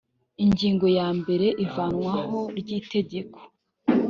ingingo ya mbere ivanwaho ry’itegeko